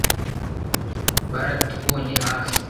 Baratubonye hafi